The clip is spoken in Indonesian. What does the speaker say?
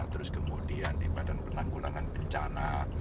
terus kemudian di badan penanggulangan bencana